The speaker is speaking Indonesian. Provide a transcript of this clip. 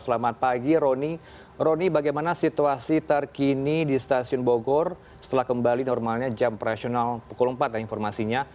selamat pagi roni bagaimana situasi terkini di stasiun bogor setelah kembali normalnya jam operasional pukul empat ya informasinya